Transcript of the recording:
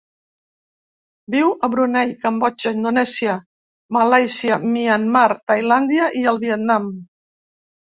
Viu a Brunei, Cambodja, Indonèsia, Malàisia, Myanmar, Tailàndia i el Vietnam.